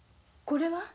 これは？